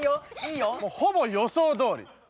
もうほぼ予想どおり。